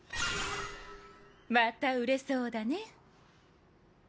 また売れそうだね。